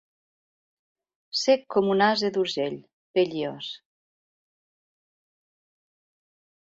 Sec com un ase d'Urgell, pell i os.